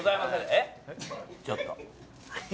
えっ、ちょっと。